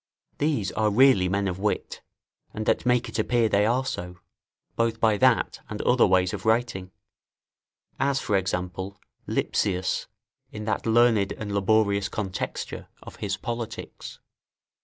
These are really men of wit, and that make it appear they are so, both by that and other ways of writing; as for example, Lipsius, in that learned and laborious contexture of his Politics.